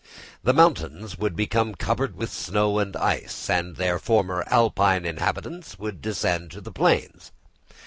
The mountains would become covered with snow and ice, and their former Alpine inhabitants would descend to the plains.